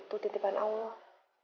tentu titipan allah